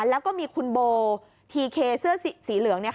แล้วก็มีคุณโบทีเคเสื้อสีเหลือง